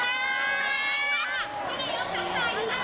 สวัสดีครับ